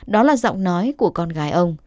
đó là giọng nói của con gái ông